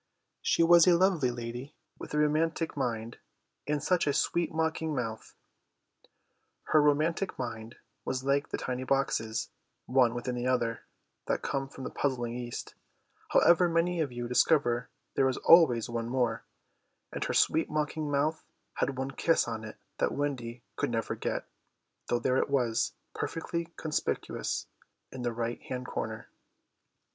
She was a lovely lady, with a romantic mind and such a sweet mocking mouth. Her romantic mind was like the tiny boxes, one within the other, that come from the puzzling East, however many you discover there is always one more; and her sweet mocking mouth had one kiss on it that Wendy could never get, though there it was, perfectly conspicuous in the right hand corner.